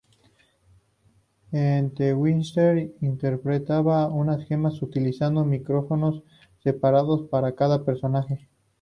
En "The Whistler" interpretaba a unas gemelas, utilizando micrófonos separados para cada personaje.